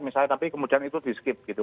misalnya tapi kemudian itu diskip gitu